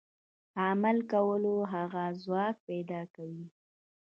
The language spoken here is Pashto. د عمل کولو هغه ځواک پيدا کوي.